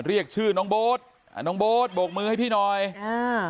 เรียกชื่อน้องโบ๊ทอ่าน้องโบ๊ทโบกมือให้พี่หน่อยอ่า